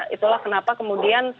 itulah kenapa kemudian